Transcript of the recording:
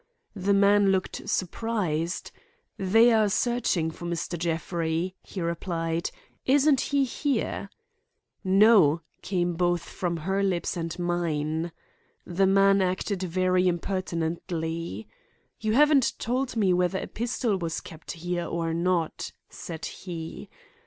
The man looked surprised. 'They are searching for Mr. Jeffrey,' he replied. 'Isn't he here?' 'No,' came both from her lips and mine. The man acted very impertinently. 'You haven't told me whether a pistol was kept here or not,' said he.